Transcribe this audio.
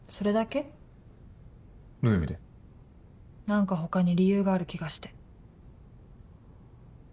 何か他に理由がある気がして。